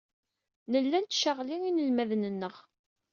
Nella nettcaɣli inelmaden-nneɣ.